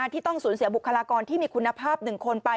ที่ต้องสูญเสียบุคลากรที่มีคุณภาพ๑คนไป